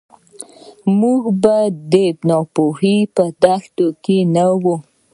موږ به د ناپوهۍ په دښته کې نه یو.